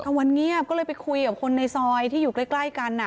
วันเงียบก็เลยไปคุยกับคนในซอยที่อยู่ใกล้กัน